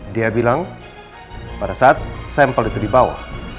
dia bilang pada saat sampel itu dibawa